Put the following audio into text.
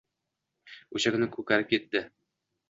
O‘sha kuni... Ko‘karib ketdi...